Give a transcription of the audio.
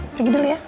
pergi dulu ya